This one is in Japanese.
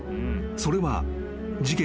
［それは事件